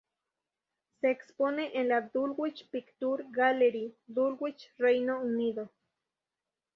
Se expone en la Dulwich Picture Gallery, Dulwich, Reino Unido.